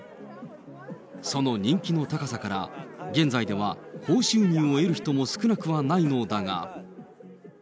その人気の高さから、現在では高収入を得る人も少なくはないのだが。